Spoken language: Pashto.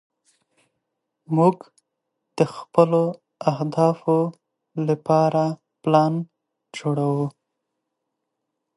موږ د خپلو اهدافو لپاره پلان جوړوو.